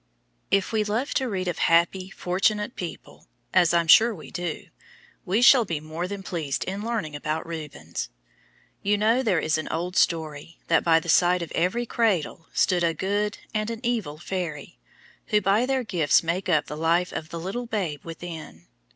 If we love to read of happy, fortunate people, as I am sure we do, we shall be more than pleased in learning about Rubens. You know there is an old story, that by the side of every cradle stand a good and an evil fairy, who by their gifts make up the life of the little babe within.